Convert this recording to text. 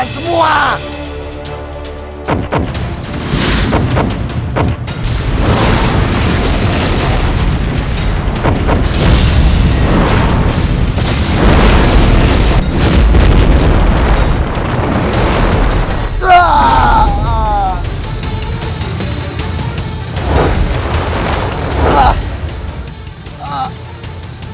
kau sudah membuat kerusakan di pajak cinta